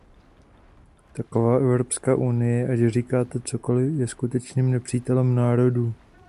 Taková Evropská unie, ať říkáte cokoliv, je skutečným nepřítelem národů.